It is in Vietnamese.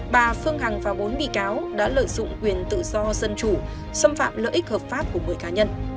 bà phương hằng và bốn bị cáo đã lợi dụng quyền tự do dân chủ xâm phạm lợi ích hợp pháp của một mươi cá nhân